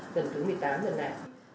lần thứ một mươi tám lần này